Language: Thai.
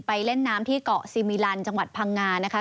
เล่นน้ำที่เกาะซีมิลันจังหวัดพังงานะคะ